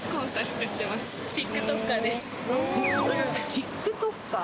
ＴｉｋＴｏｋｅｒ？